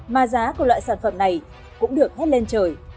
mà giá của loại sản phẩm này cũng được hết lên trời